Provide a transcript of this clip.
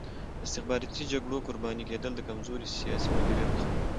د استخباراتي جګړو قرباني کېدل د کمزوري سیاسي مدیریت نښه ده.